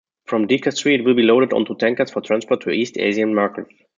From De-Kastri it will be loaded onto tankers for transport to East Asian markets.